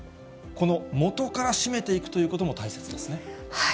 この元から締めていくということも大切ですね。